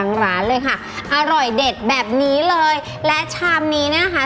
ร้านเลยค่ะอร่อยเด็ดแบบนี้เลยและชามนี้เนี่ยนะคะ